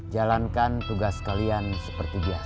jalankan tugas kalian seperti biasa